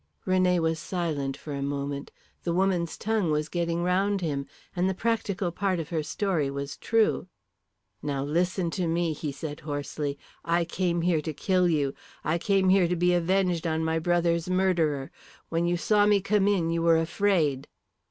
René was silent for a moment. The woman's tongue was getting round him. And the practical part of her story was true. "Now, listen to me," he said hoarsely. "I came here to kill you; I came here to be avenged on my brother's murderer. When you saw me come in you were afraid."